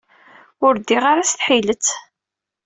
Ur ddiɣ ara s tḥilet.